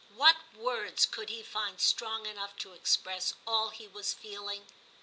What words could he find strong enough to express all he was feeling ?